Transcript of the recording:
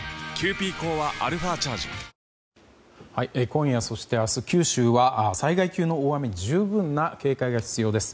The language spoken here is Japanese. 今夜、そして明日九州は災害級の大雨に十分な警戒が必要です。